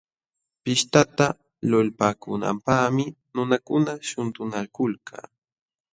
Pishtata lulpaakunanpaqmi nunakuna shuntunakulka.